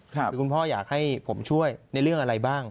คือคุณพ่ออยากให้ผมช่วยในเรื่องอะไรบ้าง